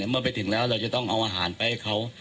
เมื่อไปถึงแล้วเราจะต้องเอาอาหารไปให้เขา